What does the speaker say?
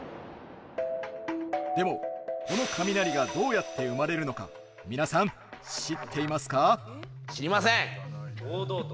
でも、この雷がどうやって生まれるのか皆さん知っていますか？